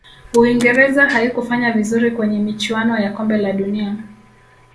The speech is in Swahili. uingereza haikufanya vizuri kwenye michuano ya kombe la dunia